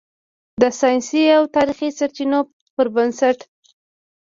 د "ساینسي او تاریخي سرچینو" پر بنسټ